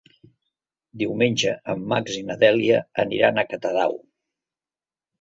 Diumenge en Max i na Dèlia aniran a Catadau.